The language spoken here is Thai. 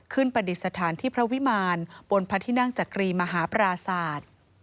ประดิษฐานที่พระวิมารบนพระที่นั่งจักรีมหาปราศาสตร์